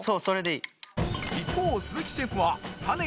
一方鈴木シェフはシェフ。